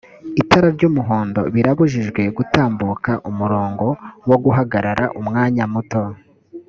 itara ry umuhondo birabujijwe gutambuka umurongo wo guhagarara umwanya muto